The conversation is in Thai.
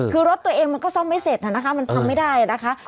คือรถตัวเองมันก็ซ่อมไม่เสร็จนะคะมันทำไม่ได้นะคะ